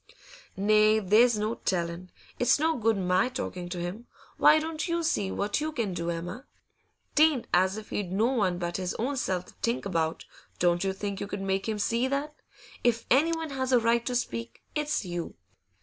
'Nay, there's no telling. It's no good my talkin' to him. Why don't you see what you can do, Emma? 'Tain't as if he'd no one but his own self to think about Don't you think you could make him see that? If anyone has a right to speak, it's you.